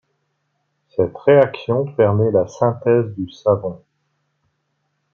Cette réaction permet la synthèse du savon.